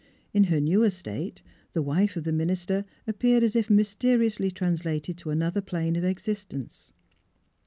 In her new estate the wife of the minister appeared as if mysteriously translated to another plane of existence.